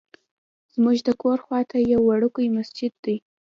زمونږ د کور خواته یو وړوکی مسجد دی.